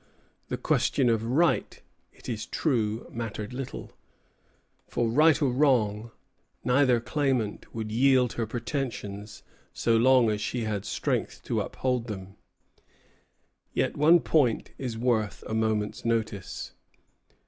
The question of right, it is true, mattered little; for, right or wrong, neither claimant would yield her pretensions so long as she had strength to uphold them; yet one point is worth a moment's notice.